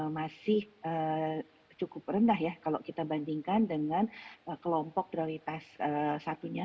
masih cukup rendah ya kalau kita bandingkan dengan kelompok prioritas satunya